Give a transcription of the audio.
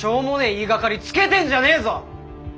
言いがかりつけてんじゃねえぞ！